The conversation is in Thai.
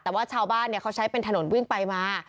แต่ว่าชาวบ้านเขาใช้เป็นถนนวิ่งไปมา